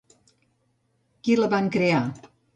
Qui la van crear?